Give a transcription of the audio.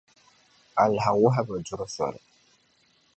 Alaha wɔhu bi duri zoli.